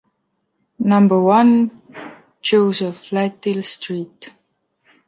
Number one, Joseph Latil street.